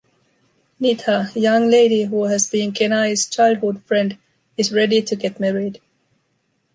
Nita, a young lady who has been Kenaï’s childhood friend, is ready to get married.